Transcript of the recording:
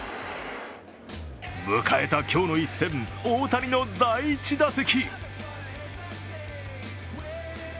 迎えた今日の一戦大谷の第１打席。